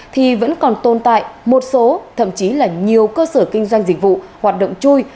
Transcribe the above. thì vẫn còn tồn tại một số thậm chí là nhiều cơ sở kinh doanh dịch vụ hoạt động chui